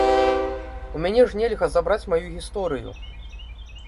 У мяне ж нельга забраць маю гісторыю!